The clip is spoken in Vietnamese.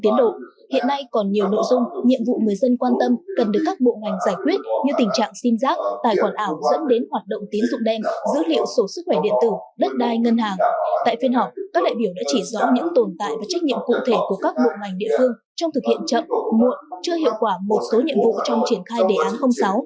trong thực hiện chậm muộn chưa hiệu quả một số nhiệm vụ trong triển khai đề án sáu